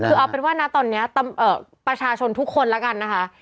คือเอาเป็นว่านะตอนนี้ประชาชนทุกคนแล้วกันนะคะ